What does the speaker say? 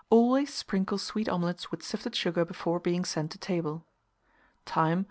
Always sprinkle sweet omelets with sifted sugar before being sent to table. Time.